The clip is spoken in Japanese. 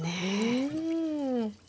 うん。